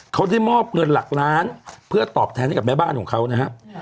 เขาได้มอบเงินหลักล้านเพื่อตอบแทนให้กับแม่บ้านของเขานะครับ